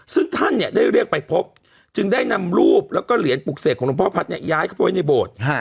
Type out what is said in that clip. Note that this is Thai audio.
ซึ่งท่านเนี่ยได้เรียกไปพบจึงได้นำรูปแล้วก็เหรียญปลูกเสกของหลวงพ่อพัฒน์เนี่ยย้ายเข้าไปในโบสถ์